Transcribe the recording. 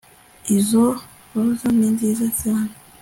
izo roza ni nziza cyane